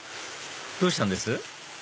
どうしたんです？